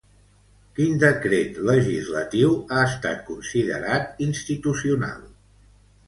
Quin decret legislatiu ha estat considerat institucional?